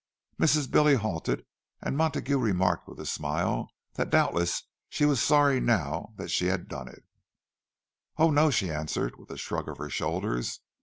Mrs. Billy halted; and Montague remarked, with a smile, that doubtless she was sorry now that she had done it. "Oh, no," she answered, with a shrug of her shoulders.